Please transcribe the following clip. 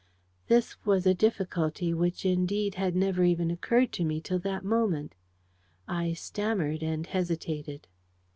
This was a difficulty which, indeed, had never even occurred to me till that moment. I stammered and hesitated.